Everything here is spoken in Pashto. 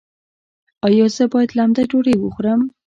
ایا زه باید لمده ډوډۍ وخورم؟